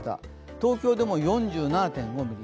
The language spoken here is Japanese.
東京でも４７．４ミリ。